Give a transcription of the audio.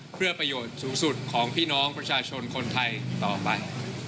เพื่อประโยชน์สูงสุดของพี่น้องประชาชนคนไทยต่อไป